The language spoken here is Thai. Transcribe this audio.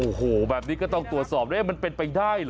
โอ้โหแบบนี้ก็ต้องตรวจสอบมันเป็นไปได้เหรอ